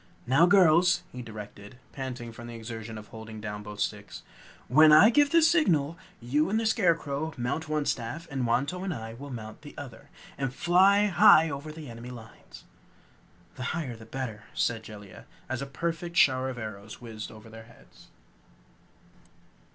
"Now girls!" he directed, panting from the exertion of holding down both sticks. "When I give the signal, you and the Scarecrow mount one staff, and Wantowin and I will mount the other, and fly high over the enemy lines!" "The higher the better," said Jellia, as a perfect shower of arrows whizzed over their heads.